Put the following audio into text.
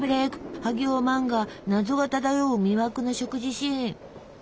萩尾漫画謎が漂う魅惑の食事シーン！